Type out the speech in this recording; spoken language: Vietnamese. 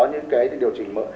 những điều chỉnh